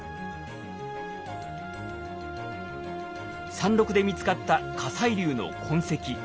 山麓で見つかった火砕流の痕跡。